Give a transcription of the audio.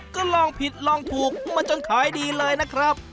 ก็ลองผิดลองถูกมาจนขายดีเลยนะครับ